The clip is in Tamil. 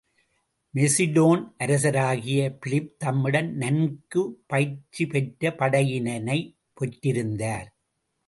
மெசிடோன் அரசராகிய பிலிப் தம்மிடம் நன்கு பயிற்சி பெற்ற படையினைப் பெற்றிருந்தார்.